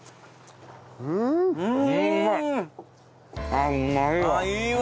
あっうまいわ！